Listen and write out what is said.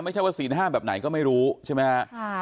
ไม่ใช่ว่าศีลห้ามแบบไหนก็ไม่รู้ใช่ไหมฮะ